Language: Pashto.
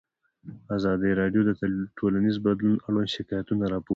ازادي راډیو د ټولنیز بدلون اړوند شکایتونه راپور کړي.